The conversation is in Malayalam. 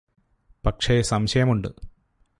പക്ഷേ സംശയമുണ്ട്